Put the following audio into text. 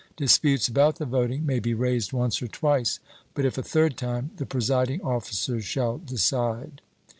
Disputes about the voting may be raised once or twice, but, if a third time, the presiding officers shall decide.